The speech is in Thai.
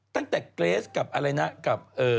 ตั้งแต่เกรสกับอะไรนะกับ